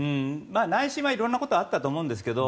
内心は色んなことはあったと思うんですけど